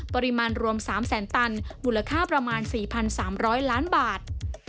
ปริมาณรวม๓แสนตันมูลค่าประมาณ๔๓๐๐ล้านบาท